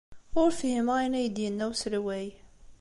Ur fhimeɣ ayen ay d-yenna uselway.